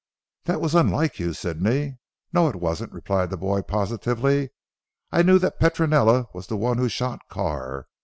"That was unlike you Sidney." "No, it wasn't," replied the boy positively, "I knew that Petronella was the one who shot Carr.